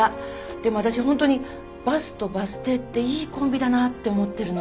でも私本当にバスとバス停っていいコンビだなって思ってるの。